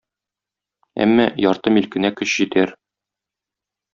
Әммә, ярты милкенә көч җитәр.